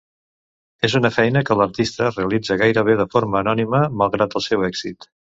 És una feina que l'artista realitza gairebé de forma anònima, malgrat el seu èxit.